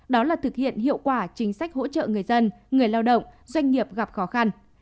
đó là thực hiện hiệu quả chính sách hỗ trợ người dân người lao động doanh nghiệp gặp khó khăn